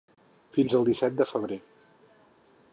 Fins al disset de febrer.